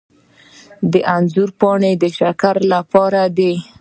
د انځر پاڼې د شکر لپاره دي.